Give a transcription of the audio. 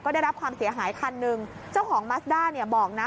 ได้รับความเสียหายคันหนึ่งเจ้าของมัสด้าเนี่ยบอกนะ